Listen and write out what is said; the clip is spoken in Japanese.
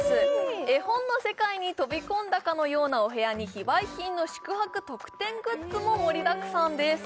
絵本の世界に飛び込んだかのようなお部屋に非売品の宿泊特典グッズも盛りだくさんです